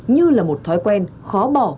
như là một thói quen khó bỏ